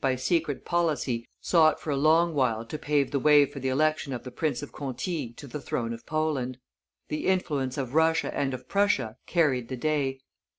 by secret policy sought for a long while to pave the way for the election of the Prince of Conti to the throne of Poland; the influence of Russia and of Prussia carried the day.